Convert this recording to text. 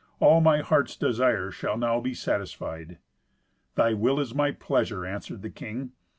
All my heart's desire shall now be satisfied." "Thy will is my pleasure," answered the king.